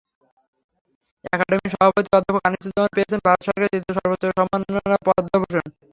একাডেমির সভাপতি অধ্যাপক আনিসুজ্জামান পেয়েছেন ভারত সরকারের তৃতীয় সর্বোচ্চ সম্মাননা পদ্মভূষণ।